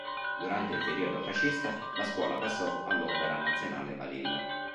Durante il periodo fascista la scuola passò all'Opera Nazionale Balilla.